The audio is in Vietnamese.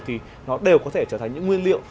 thì nó đều có thể trở thành những nguyên liệu